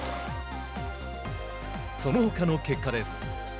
そのほかの結果です。